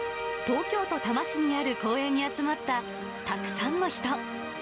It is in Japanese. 東京都多摩市にある公園に集まったたくさんの人。